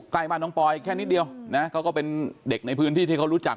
ใกล้บ้านน้องปอยแค่นิดเดียวนะเขาก็เป็นเด็กในพื้นที่ที่เขารู้จัก